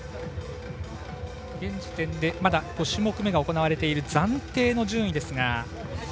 現時点でまだ５種目めが行われている暫定順位ですが。